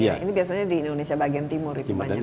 ini biasanya di indonesia bagian timur itu banyak